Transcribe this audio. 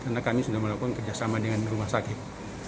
karena kami sudah melakukan kerjasama dengan rumah sakit